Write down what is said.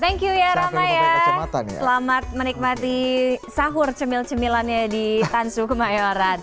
thank you ya rama ya selamat menikmati sahur cemil cemilannya di tansu kemayoran